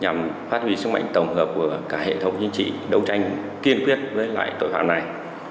nhằm phát huy sức mạnh tổng hợp của cả hệ thống chính trị đấu tranh kiên quyết với loại tội phạm này